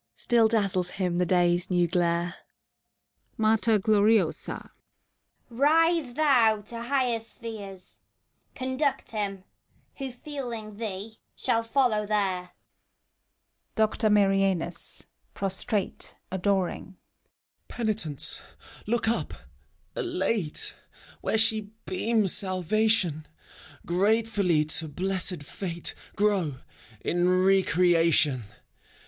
Still dazzles him the Day's new glare. MATER OLORIOSA. Rise, thou, to higher spheres ! Conduct him. Who, feeling thee, shall follow there! DOCTOR MARIANUS (prostrate, adoring). Penitents, look up, elate. Where she beams salvation; Gratefully to blessed fate Grow, in re creation!